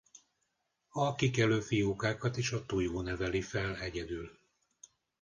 A kikelő fiókákat is a tojó neveli fel egyedül.